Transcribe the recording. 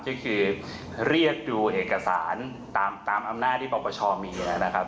ก็คือเรียกดูเอกสารตามอำนาจที่ปปชมีนะครับ